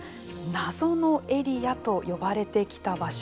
謎のエリアと呼ばれてきた場所。